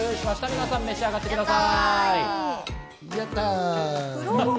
皆さん召し上がってください。